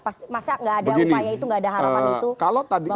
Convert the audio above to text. masa tidak ada upaya itu tidak ada harapan itu